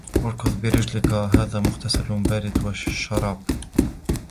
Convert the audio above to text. اركض برجلك هذا مغتسل بارد وشراب